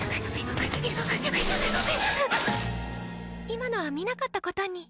今のは見なかったことに。